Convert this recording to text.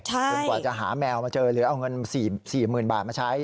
จนกว่าจะหาแมวมาเจอหรือเอาเงิน๔๐๐๐บาทมาใช้